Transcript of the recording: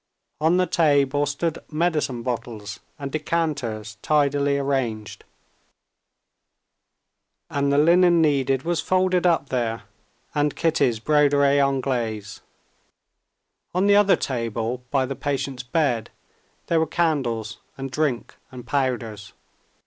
On the table stood medicine bottles and decanters tidily arranged, and the linen needed was folded up there, and Kitty's broderie anglaise. On the other table by the patient's bed there were candles and drink and powders.